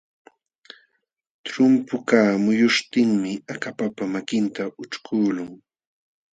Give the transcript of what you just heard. Trumpukaq muyuśhtinmi akapapa makinta ućhkuqlun.